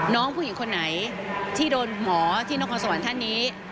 น้องผู้หญิงคนไหนที่โดนหมอที่นครสวรรค์ท่านนี้